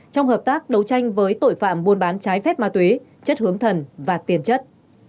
trong hợp tác đấu tranh với tội phạm buôn bán trái phép ma túy chất hướng thần và tiền chất